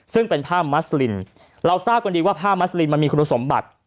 ซึ่งเป็นผ้ามัสลินเราทราบกันดีว่าผ้ามัสลินมันมีคุณสมบัติ